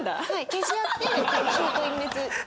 消し合って証拠隠滅し合う。